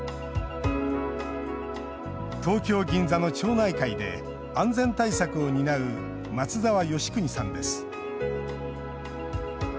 東京・銀座の町内会で安全対策を担う松澤芳邦さんです。